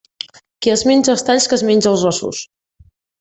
Qui es menja els talls, que es menge els ossos.